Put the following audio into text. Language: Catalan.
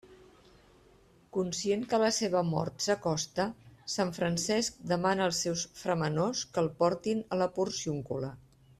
Conscient que la seva mort s'acosta, sant Francesc demana als seus framenors que el portin a la Porciúncula.